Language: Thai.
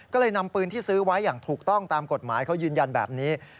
ก็เลยนำปืนที่ซื้อไว้อย่างถูกต้องตามกฎหมายเขายืนยันแบบนี้